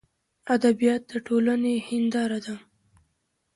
ادبیات دټولني هنداره ده.